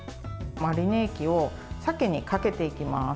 マリネ液を鮭にかけていきます。